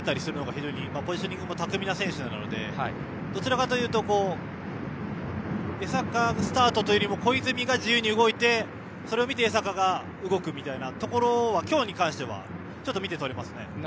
非常にポジショニングも巧みな選手なのでどちらかというと江坂スタートというよりも小泉が自由に動いてそれを見て江坂が動くみたいなところは今日に関しては見て取れますね。